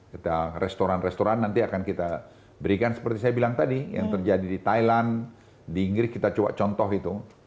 kita restoran restoran nanti akan kita berikan seperti saya bilang tadi yang terjadi di thailand di inggris kita coba contoh itu